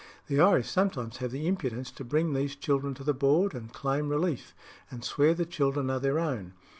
The Irish sometimes have the impudence to bring these children to the board and claim relief, and swear the children are their own.